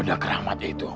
udah keramat itu